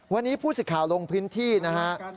วันนี้ผู้สิทธิ์ข่าวลงพื้นที่นะฮะ